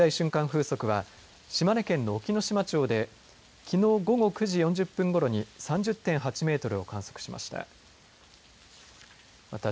風速は島根県の隠岐の島町できのう午後９時４０分ごろに３０．８メートルを観測しました。